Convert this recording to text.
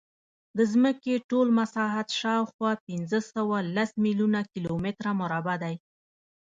د ځمکې ټول مساحت شاوخوا پینځهسوهلس میلیونه کیلومتره مربع دی.